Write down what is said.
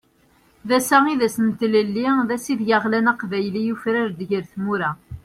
D ass-a i d ass n tlelli, d ass ideg aɣlan aqbayli, yufrar-d ger tmura.